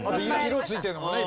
色付いてるのもね。